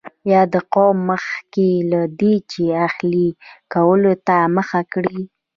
یاد قوم مخکې له دې چې اهلي کولو ته مخه کړي.